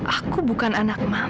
aku bukan anak mama